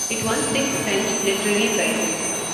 It won six French Literary Prizes.